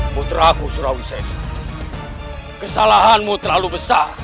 putraku surawisesa kesalahanmu terlalu besar